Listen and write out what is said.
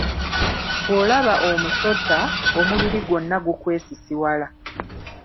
Bw'olaba omusota, omubiri gwonna gukwesisiwala.